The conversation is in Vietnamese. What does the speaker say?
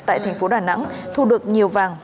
tại thành phố đà nẵng thu được nhiều vàng